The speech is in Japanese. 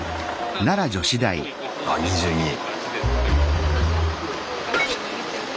あっ２２位。